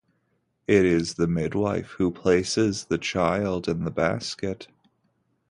It is the midwife who places the child in the basket.